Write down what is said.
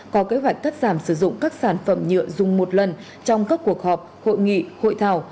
có kế hoạch cắt giảm sử dụng các sản phẩm nhựa dùng một lần trong các cuộc họp hội nghị hội thảo